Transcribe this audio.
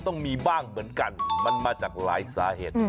ต้องมีบ้างเหมือนกันมันมาจากหลายสาเหตุ